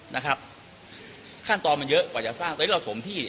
นะครับขั้นตอนมันเยอะกว่าจะสร้างตอนนี้เราถมที่